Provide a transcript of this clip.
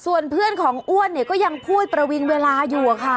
ส่วนเพื่อนของอ้วนเนี่ยก็ยังพูดประวิงเวลาอยู่อะค่ะ